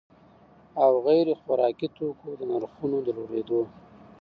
او غیر خوراکي توکو د نرخونو د لوړېدو